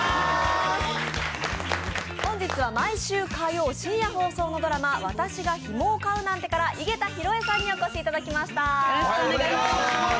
本日は毎週火曜深夜放送のドラマ「私がヒモを飼うなんて」から井桁弘恵さんにお越しいただきました。